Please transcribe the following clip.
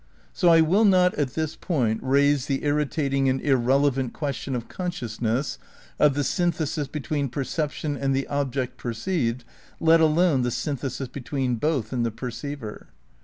So I will not at this point, raise the irritating and irrelevant question of consciousness, of the syn thesis between perception and the object perceived, let alone the synthesis between both and the perceiver.